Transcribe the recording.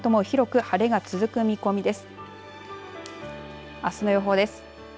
このあとも広く晴れが続く見込みです。